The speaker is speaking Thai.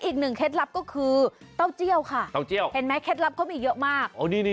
อีกหนึ่งเคล็ดลับก็คือเต้าเจ้าค่ะเคล็ดลับเค้ามีเยอะมาก